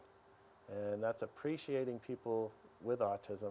penghargaan orang orang dengan autism